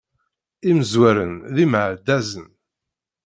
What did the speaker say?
Imezrawen d imeɛdazen.